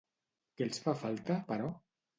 Què els fa falta, però?